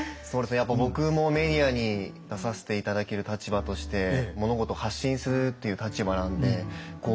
やっぱ僕もメディアに出させて頂ける立場として物事を発信するという立場なんでこう